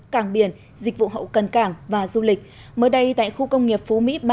cảng biển dịch vụ hậu cần cảng và du lịch mới đây tại khu công nghiệp phú mỹ ba